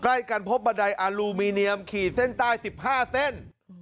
ใกล้กันพบบันไดอาลูมิเนียมขีดเส้นใต้๑๕เส้น